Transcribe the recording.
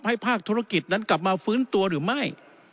ภาคธุรกิจนั้นกลับมาฟื้นตัวหรือไม่